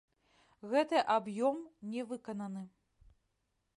Гэты аб'ём не выкананы.